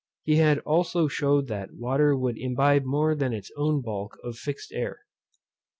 He also shewed that water would imbibe more than its own bulk of fixed air.